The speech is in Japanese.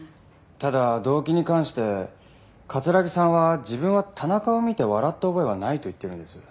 ただ動機に関して城さんは自分は田中を見て笑った覚えはないと言ってるんです。